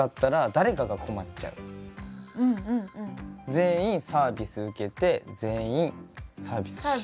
全員サービス受けて全員サービスして。